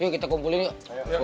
yuk kita kumpulin yuk